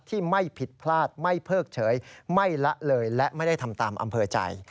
ที่ไม่ผิดพลาดไม่เพิกเฉยไม่ละเลยและไม่ได้ทำตามอำเภอใจ